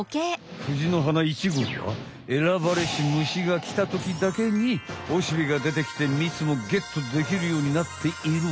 フジの花１号は「選ばれし虫」がきたときだけにオシベがでてきてみつもゲットできるようになっている。